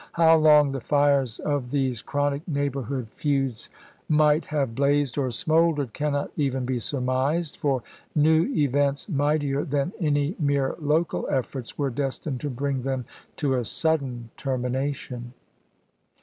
How long the fires of these chi'onic neighborhood feuds might have blazed or smouldered cannot even be sm mised, for new events, mightier than any mere local efforts, were destined to bring them to a sudden termination.